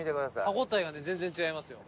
歯応えがね全然違いますよ。